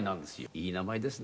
いい名前ですね。